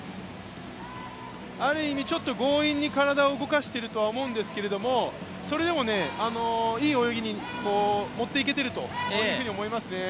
ある意味、ちょっと強引に体を動かしていると思うんですけど、それでも、いい泳ぎにもっていけてると思いますね。